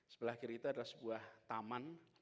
sebelah kiri itu adalah sebuah taman